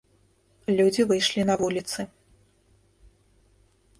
Людзі выйшлі на вуліцы.